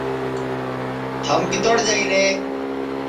تھم کِتوڑ جائیرے